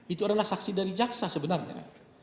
itu adalah saksi dari jaksa sebenarnya